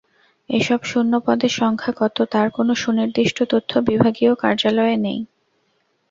এসব শূন্য পদের সংখ্যা কত, তার কোনো সুনির্দিষ্ট তথ্য বিভাগীয় কার্যালয়ে নেই।